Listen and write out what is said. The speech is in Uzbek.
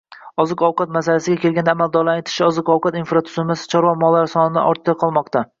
Oziq -ovqat masalasiga kelganda, amaldorning aytishicha, oziq -ovqat infratuzilmasi chorva mollari sonidan ortda qolmoqda